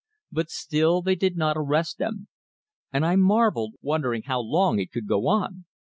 But still they did not arrest them, and I marveled, wondering how long it could go on.